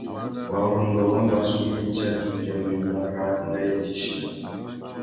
Warrôndô wa mà su mitsa tu bia mbîmbà râā nà yêndzichina.